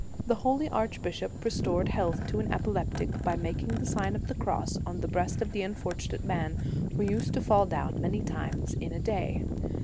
the holy arch bishop restored health to an epileptic by making the Sign of the Cross on the breast of the unfortunate man, who used to fall down many times in a day.